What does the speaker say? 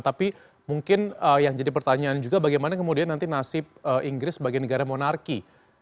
tapi mungkin yang jadi pertanyaan juga bagaimana kemudian nanti nasib inggris sebagai negara monarki